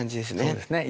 そうですね。